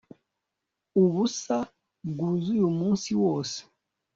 ubusa bwuzuye umunsi wose